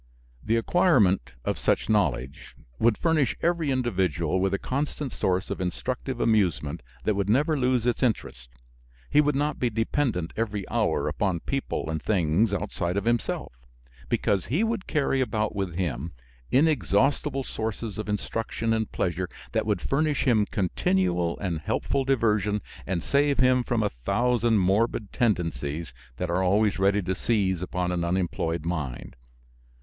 The acquirement of such knowledge would furnish every individual with a constant source of instructive amusement that would never lose its interest. He would not be dependent every hour upon people and things outside of himself; because he would carry about with him inexhaustible sources of instruction and pleasure that would furnish him continual and helpful diversion and save him from a thousand morbid tendencies that are always ready to seize upon an unemployed mind.